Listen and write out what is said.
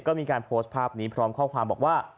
ก็มีการโพสต์ภาพนี้พร้อมข้อความบอกว่า